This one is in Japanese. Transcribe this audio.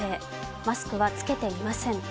マスクはつけていません。